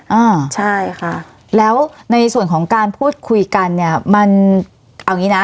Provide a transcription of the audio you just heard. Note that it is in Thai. อ่าใช่ค่ะแล้วในส่วนของการพูดคุยกันเนี้ยมันเอางี้นะ